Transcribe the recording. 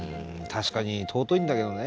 確かに尊いんだけどね。